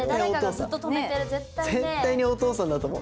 絶対にお父さんだと思う。